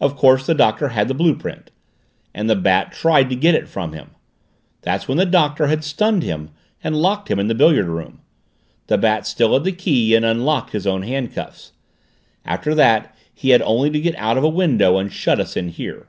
"Of course the Doctor had the blue print. And the Bat tried to get it from him. Then when the Doctor had stunned him and locked him in the billiard room, the Bat still had the key and unlocked his own handcuffs. After that he had only to get out of a window and shut us in here."